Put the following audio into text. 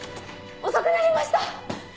遅くなりました。